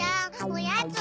おやつ！